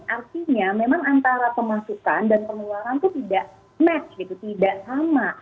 artinya memang antara pemasukan dan peneluaran itu tidak match tidak sama